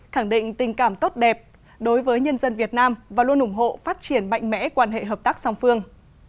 khẳng định tình cảm tốt đẹp đối với nhân dân việt nam và luôn ủng hộ phát triển mạnh mẽ quan hệ hợp tác song phương